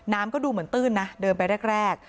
น้ำก็ดูเหมือนตื้นนะเดินไปแรก